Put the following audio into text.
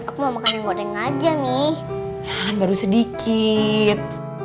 aku mau makan yang goreng aja nih baru sedikit